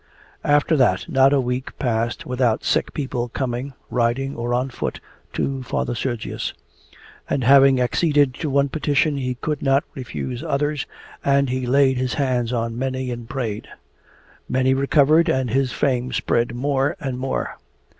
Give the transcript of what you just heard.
After that, not a week passed without sick people coming, riding or on foot, to Father Sergius; and having acceded to one petition he could not refuse others, and he laid his hands on many and prayed. Many recovered, and his fame spread more and more.